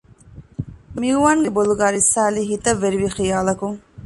މިއުވާންގެ ބޮލުގައި ރިއްސާލީ ހިތަށް ވެރިވި ޚިޔާލަކުން